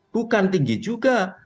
bukan tinggi juga